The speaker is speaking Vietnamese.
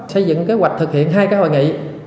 xây dựng kế hoạch thực hiện hai hội nghị